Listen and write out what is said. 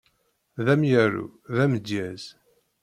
D amyaru, d amdyaz.